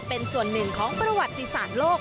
เป็นส่วนหนึ่งของประวัติศาสตร์โลก